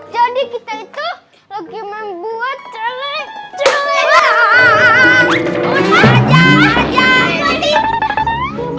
jadi kita itu lagi membuat celen celen